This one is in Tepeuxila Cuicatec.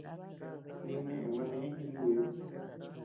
Nimnéʼë gua néʼe jinguyu.